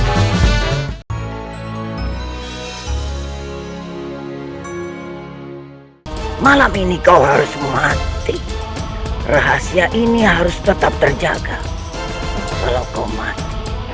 hai malam ini kau harus mati rahasia ini harus tetap terjaga kalau kau mati